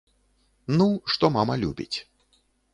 Ну, што мама любіць.